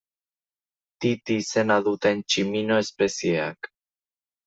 Titi izena duten tximino espezieak.